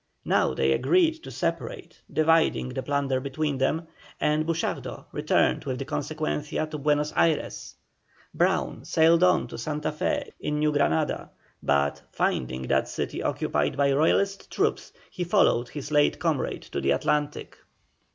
Now they agreed to separate, dividing the plunder between them, and Buchardo returned with the Consequencia to Buenos Ayres. Brown sailed on to Santa Fé in New Granada, but, finding that city occupied by Royalist troops, he followed his late comrade to the Atlantic.